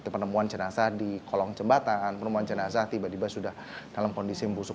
penemuan jenazah di kolong jembatan penemuan jenazah tiba tiba sudah dalam kondisi membusuk